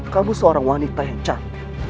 kamu seorang wanita yang cantik